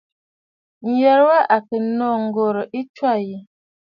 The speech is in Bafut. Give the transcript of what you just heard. Ǹyərə wa à kɨ̀ nô ŋ̀gòrə̀ ɨ tswâ yi.